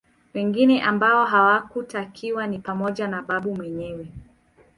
Wengine ambao hawakutakiwa ni pamoja na Babu mwenyewe